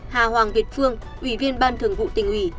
hà hoàng việt phương ủy viên ban thường vụ tỉnh ủy